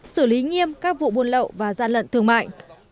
xử lý nghiêm các vụ buôn lậu và gian lận thương mại